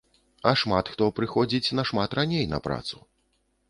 А шмат хто прыходзіць нашмат раней на працу.